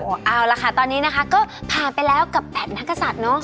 โอ้โหเอาละค่ะตอนนี้นะคะก็ผ่านไปแล้วกับ๘นักศัตริย์เนาะ